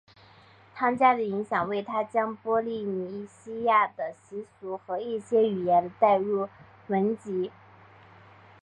汤加的影响为他将波利尼西亚的习俗和一些语言带入斐济。